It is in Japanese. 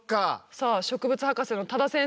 さあ植物博士の多田先生